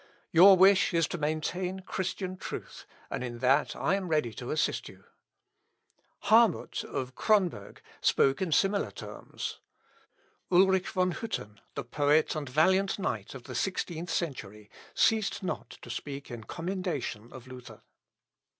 Your wish is to maintain Christian truth, and in that I am ready to assist you." Harmuth of Cronberg, spoke in similar terms. Ulric von Hütten, the poet and valiant knight of the sixteenth century, ceased not to speak in commendation of Luther.